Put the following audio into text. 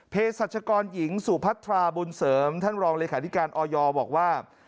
สัชกรหญิงสุพัทราบุญเสริมท่านรองเลขาธิการออยบอกว่า